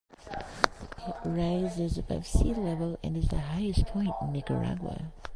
It rises above sea level and is the highest point in Nicaragua.